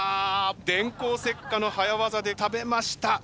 電光石火の早業で食べました。